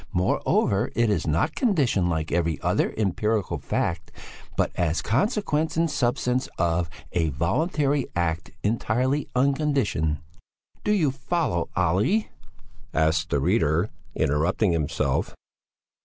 Moreover, it is not conditioned like every other empirical fact, but as consequence and substance of a voluntary act entirely unconditioned.'" "Do you follow, Olle?" asked the reader, interrupting himself.